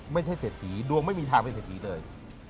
ไม่ใช่เสียดผีดวงไม่มีทางไม่เสียดผีเลย